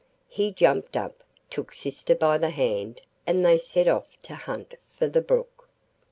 He jumped up, took sister by the hand, and they set off to hunt for the brook.